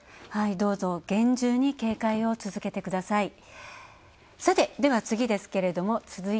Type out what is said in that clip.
どうぞ厳重に警戒を続けてください。